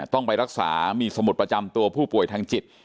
ต้องไปรักษามีสมุดประจำตัวผู้ป่วยทางจิต